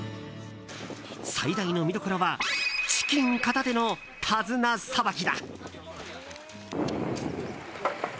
最大の見どころはチキン片手の手綱さばきだ。